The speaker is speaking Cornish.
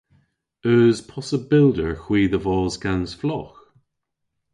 Eus possybylder hwi dhe vos gans flogh?